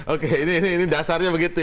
oke ini dasarnya begitu